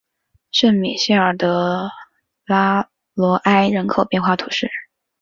圣米歇尔德拉罗埃人口变化图示